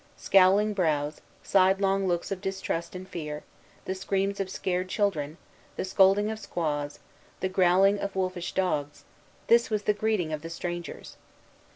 Scowling brows, sidelong looks of distrust and fear, the screams of scared children, the scolding of squaws, the growling of wolfish dogs, this was the greeting of the strangers.